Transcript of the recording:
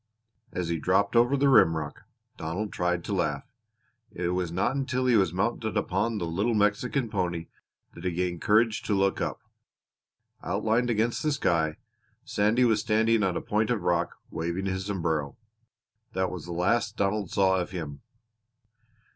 As he dropped over the rimrock, Donald tried to laugh. It was not until he was mounted upon the little Mexican pony that he gained courage to look up. Outlined against the sky Sandy was standing on a point of rock, waving his sombrero. That was the last Donald saw of him.